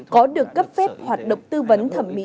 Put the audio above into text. có được cấp phép hoạt động tư vấn thẩm mỹ